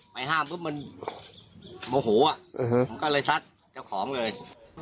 ห้ามปุ๊บมันโมโหผมก็เลยซัดเจ้าของเลย